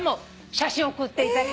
写真送っていただき。